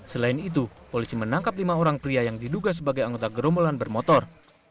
selain itu polisi menangkap lima orang pria yang diduga sebagai anggota gerombolan bermotor